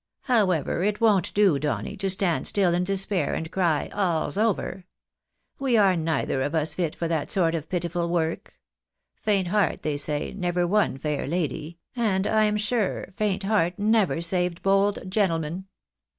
However, it won't do, Donny, to stand still in despair, and cry ' all's over !' We are neither of us fit for that sort of pitiful work. Faint heart, they say, never won fair lady, and I am sure faint heart never saved bold gentleman.